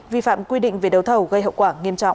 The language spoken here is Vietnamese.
vi phạm quy định về đấu thầu gây hậu quả nghiêm trọng